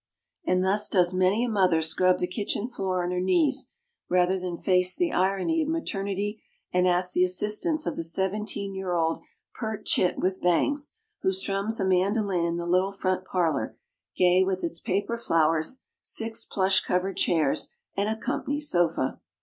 And thus does many a mother scrub the kitchen floor on her knees, rather than face the irony of maternity and ask the assistance of the seventeen year old pert chit with bangs, who strums a mandolin in the little front parlor, gay with its paper flowers, six plush covered chairs and a "company" sofa.